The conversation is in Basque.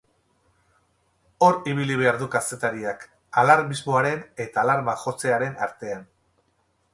Hor ibili behar du kazetariak, alarmismoaren eta alarma jotzearen artean.